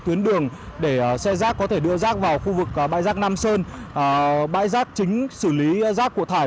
tuyến đường để xe rác có thể đưa rác vào khu vực bãi rác nam sơn bãi rác chính xử lý rác của thải